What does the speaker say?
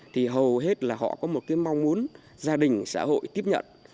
thì hầu hết là họ có một cái mong muốn gia đình xã hội tiếp nhận